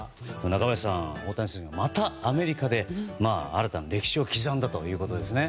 中林さん、大谷選手またアメリカで新たな歴史を刻んだということですね。